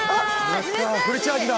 やったフルチャージだ！